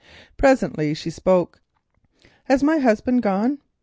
Presently she spoke. "Has my husband gone?"